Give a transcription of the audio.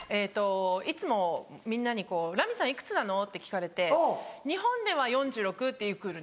いつもみんなに「ラミちゃんいくつなの？」って聞かれて「日本では４６歳」って来るんですよ。